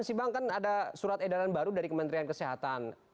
masih bang kan ada surat edaran baru dari kementerian kesehatan